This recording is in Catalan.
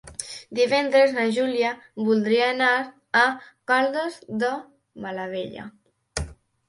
Divendres na Júlia voldria anar a Caldes de Malavella.